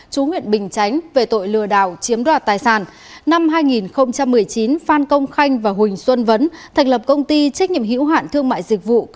chú huyện bình chánh về tội lừa đảo chiếm đoạt tài sản năm hai nghìn một mươi chín phan công khanh và huỳnh xuân vấn thành lập công ty trách nhiệm hữu hạn thương mại dịch vụ